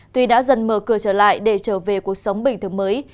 tuy đã dần mở cửa trở lại để trở về cuộc sống bình thường mới